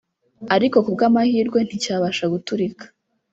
ariko kubw’amahirwe nti cyabasha guturika